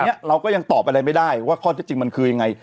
อันนี้เราก็ยังตอบอะไรไม่ได้ว่าข้อเท็จจริงมันคือยังไง